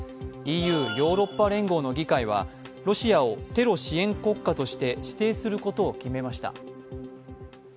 ＥＵ＝ヨーロッパ連合の議会はロシアをテロ支援国家として指定することを決めました。